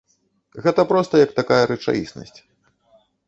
Гэта проста як такая рэчаіснасць.